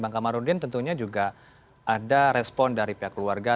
bang kamarudin tentunya juga ada respon dari pihak keluarga